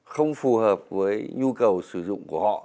không phù hợp với nhu cầu sử dụng của họ